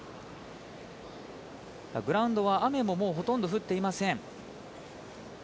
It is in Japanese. グラウンドは雨ももうほとんど降っていません。